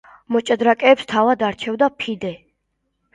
მოჭადრაკეებს თავად არჩევდა ფიდე.